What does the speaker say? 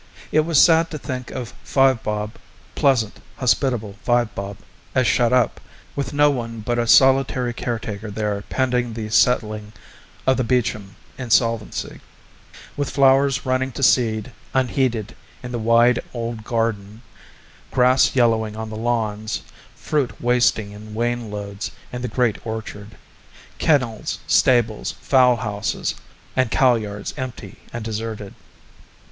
It was sad to think of Five Bob pleasant, hospitable Five Bob as shut up, with no one but a solitary caretaker there pending the settling of the Beecham insolvency; with flowers running to seed unheeded in the wide old garden, grass yellowing on the lawns, fruit wasting in wain loads in the great orchard, kennels, stables, fowl houses, and cow yards empty and deserted.